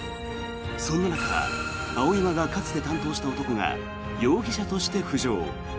そんな中青山がかつて担当した男が容疑者として浮上。